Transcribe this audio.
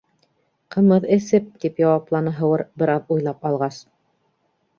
—Ҡымыҙ эсеп, —тип яуапланы Һыуыр, бер аҙ уйлап алғас.